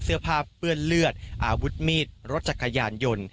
เสื้อผ้าเปื้อนเลือดอาวุธมีดรถจักรยานยนต์